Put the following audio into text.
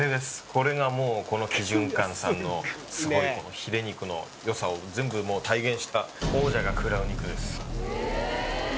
これがもうこの基順館さんのすごいこのヒレ肉のよさを全部体現した王者が喰らう肉です